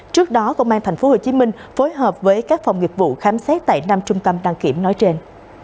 trước đó công an tp hcm phối hợp với các phòng nghiệp vụ khám xét tại năm trung tâm đăng kiểm nói trên